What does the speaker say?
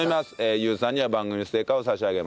ゆうさんには番組ステッカーを差し上げます。